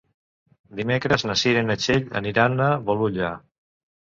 Dimecres na Cira i na Txell aniran a Bolulla.